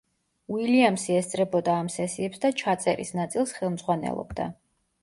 უილიამსი ესწრებოდა ამ სესიებს და ჩაწერის ნაწილს ხელმძღვანელობდა.